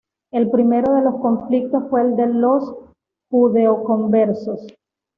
El primero de los conflictos fue el de los judeoconversos.